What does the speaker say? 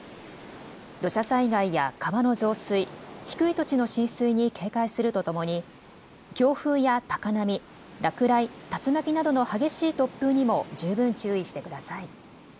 土砂災害や川の増水、低い土地の浸水に警戒するとともに強風や高波、落雷、竜巻などの激しい突風にも十分注意してください。